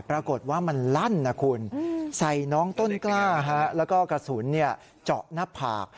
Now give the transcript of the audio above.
ปรากฏว่ามันลั่นนะคุณใส่น้องต้นกล้าแล้วก็กระสุนเจาะหน้าผาก